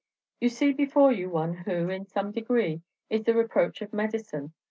You see before you one who, in some degree, is the reproach of medicine.